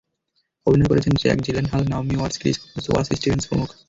অভিনয় করেছেন Jack Gyllenhaal, Naomi Watts, Chris Coopers, Wes Stevens প্রমুখ।